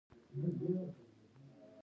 کاري ځواک پراختیا محدوده شوه.